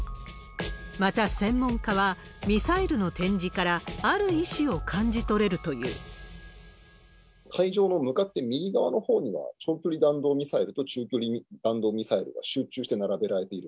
また専門家は、ミサイルの展示から、ある意思を感じ取れると会場の向かって右側のほうには、長距離弾道ミサイルと中距離弾道ミサイルが集中して並べられている。